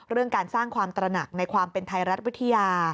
เรื่องการสร้างความตระหนักในความเป็นไทยรัฐวิทยา